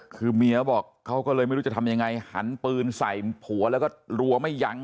คือเมียบอกเขาก็เลยไม่รู้จะทำยังไงหันปืนใส่ผัวแล้วก็รัวไม่ยั้ง